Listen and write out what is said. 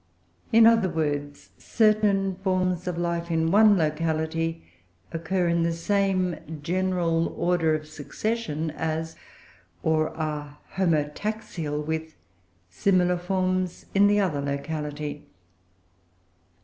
In other words, certain forms of life in one locality occur in the same general order of succession as, or are homotaxial with, similar forms in the other locality.